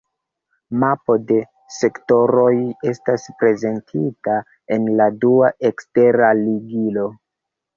Mapo de sektoroj estas prezentita en la dua ekstera ligilo.